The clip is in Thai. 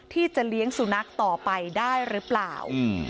ที่จะเลี้ยงสุนัขต่อไปได้หรือเปล่า